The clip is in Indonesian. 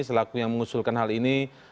selaku yang mengusulkan hal ini